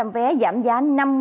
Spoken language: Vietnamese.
ba ba trăm linh vé giảm giá năm mươi